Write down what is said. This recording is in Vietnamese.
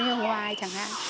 như hoài chẳng hạn